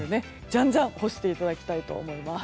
じゃんじゃん干していただきたいと思います。